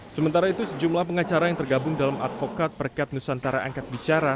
sementara itu sejumlah pengacara yang tergabung dalam advokat perkat nusantara angkat bicara